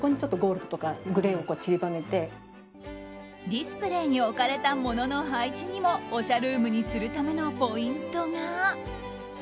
ディスプレーに置かれた物の配置にもおしゃルームにするためのポイントが。